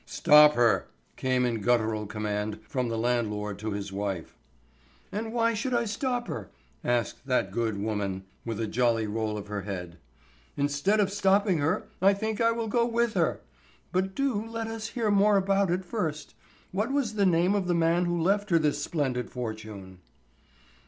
"Stop her!" came in guttural command from the landlord to his wife. "And why should I stop her?" asked that good woman, with a jolly roll of her head. "Instead of stopping her, I think I will go with her. But do let us hear more about it first. What was the name of the man who left her this splendid fortune?"